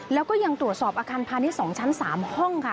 แล้วก็ยังตรวจสอบอาคารพาณิชย์๒ชั้น๓ห้องค่ะ